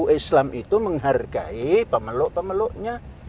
islam itu menghargai pemeluk pemeluknya